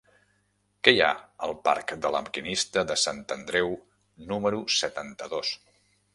Què hi ha al parc de La Maquinista de Sant Andreu número setanta-dos?